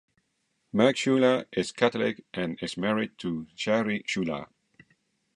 Mike Shula is Catholic and is married to Shari Shula.